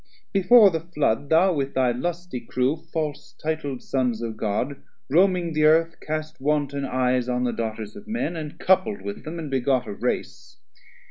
Before the Flood thou with thy lusty Crew, False titl'd Sons of God, roaming the Earth Cast wanton eyes on the daughters of men, 180 And coupl'd with them, and begot a race.